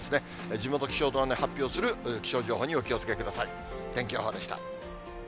地元気象台の発表する気象情報にお気をつけください。